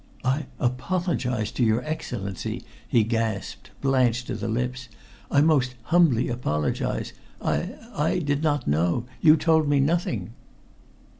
"I apologize to your Excellency!" he gasped, blanched to the lips. "I most humbly apologize. I I did not know. You told me nothing!"